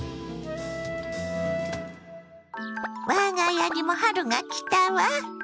我が家にも春が来たわ。